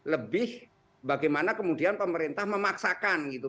lebih bagaimana kemudian pemerintah memaksakan gitu